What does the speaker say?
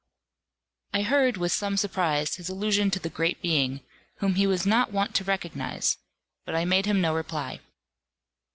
I heard, with some surprise, his allusion to the Great Being, whom he was not wont to recognise; but I made him no reply.